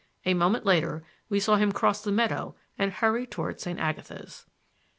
A moment later we saw him cross the meadow and hurry toward St. Agatha's.